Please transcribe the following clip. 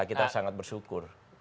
kita sangat bersyukur